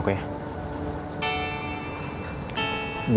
kamu selalu kabarin aku ya